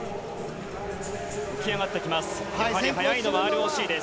浮き上がってきます。